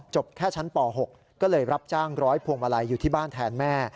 แค่ชั้นป๖ก็เลยรับจ้างร้อยพวงมาลัยอยู่ที่บ้านแทนแม่